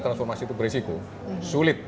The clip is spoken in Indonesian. transformasi itu berisiko sulit